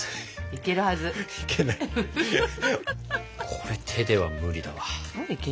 これ手では無理だわ。